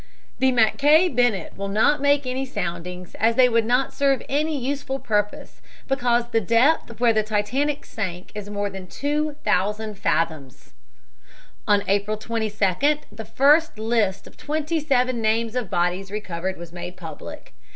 "The Mackay Bennett will not make any soundings, as they would not serve any useful purpose, because the depth where the Titanic sank is more than 2000 fathoms." On April 22d the first list of twenty seven names of bodies recovered was made public.